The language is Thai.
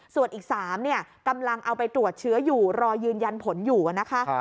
ส่วนอีก๓กำลังเอาไปตรวจเชื้ออยู่รอยืนยันผลอยู่นะคะ